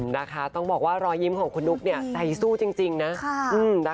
นะคะต้องบอกว่ารอยยิ้มของคุณนุ๊กเนี่ยใจสู้จริงนะ